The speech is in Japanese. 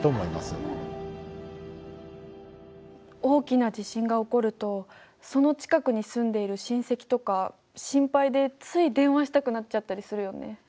大きな地震が起こるとその近くに住んでいる親戚とか心配でつい電話したくなっちゃったりするよね。